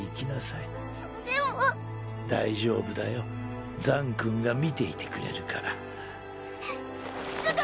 でも大丈夫だザン君が見ていてくれるからうぅ。